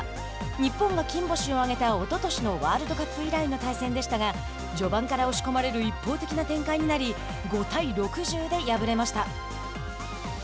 日本が金星を挙げたおととしのワールドカップ以来の対戦でしたが序盤から押し込まれる一方的な展開になり５対６０で敗れました。